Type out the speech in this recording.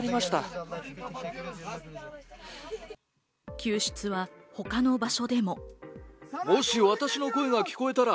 救出は他の場所でも。